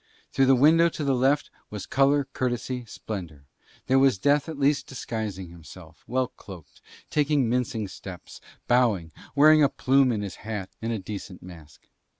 Through the window to the left was colour, courtesy, splendour; there was Death at least disguising himself, well cloaked, taking mincing steps, bowing, wearing a plume in his hat and a decent mask.